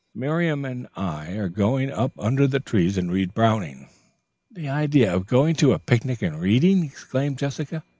"Miriam and I are going up under the trees and read Browning." "The idea of going to a picnic and reading!" exclaimed Jessica.